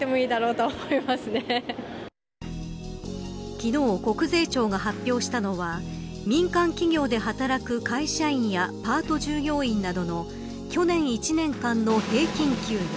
昨日、国税庁が発表したのは民間企業で働く会社員やパート従業員などの去年１年間の平均給与。